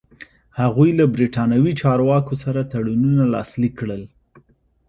هغوی له برېټانوي چارواکو سره تړونونه لاسلیک کړل.